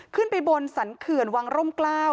ขึ้นไปบนสรรเขื่อนวังร่มกล้าว